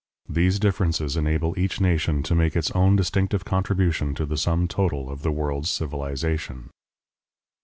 These differences enable each nation to make its own distinctive contribution to the sum total of the world's civilization.